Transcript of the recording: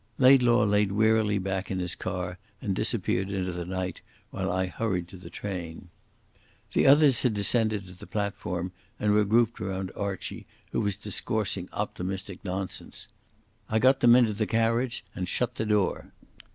Laidlaw lay wearily back in his car and disappeared into the night, while I hurried to the train. The others had descended to the platform and were grouped round Archie, who was discoursing optimistic nonsense. I got them into the carriage and shut the door.